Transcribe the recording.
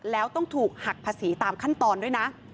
แล้วต้องถูกหักภาษีตามขั้นตอนด้วยนะ